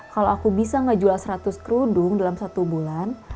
kalau aku bisa ngejual seratus kerudung dalam satu bulan